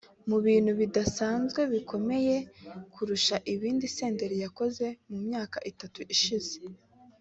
Mu bintu bidasanzwe bikomeye kurusha ibindi Senderi yakoze mu myaka itatu ishize